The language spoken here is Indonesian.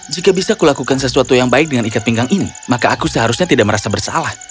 jika bisa kulakukan sesuatu yang baik dengan ikat pinggang ini maka aku seharusnya tidak merasa bersalah